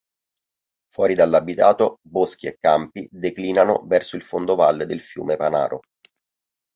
Fuori dall’abitato, boschi e campi declinano verso il fondovalle del fiume Panaro.